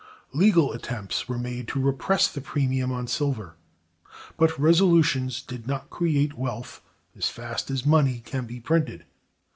Legal attempts were made to repress the premium on silver; but resolutions do not create wealth as fast as money can be printed.